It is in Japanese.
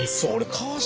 川島